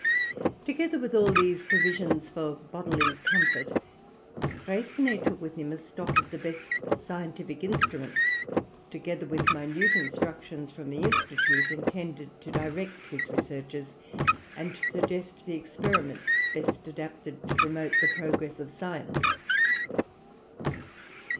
Together with all these provisions for bodily comfort, Freycinet took with him a stock of the best scientific instruments, together with minute instructions from the Institute intended to direct his researches, and to suggest the experiments best adapted to promote the progress of science.